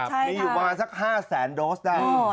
มีอยู่ประมาณสัก๕แสนโดสได้